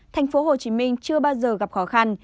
thành phố hồ chí minh chưa bao giờ gặp khó khăn